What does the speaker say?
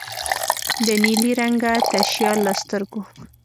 د نیلي رنګه تشیال له سترګو